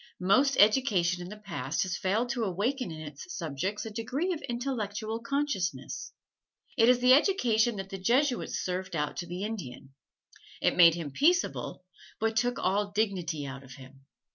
Most education in the past has failed to awaken in its subject a degree of intellectual consciousness. It is the education that the Jesuits served out to the Indian. It made him peaceable, but took all dignity out of him.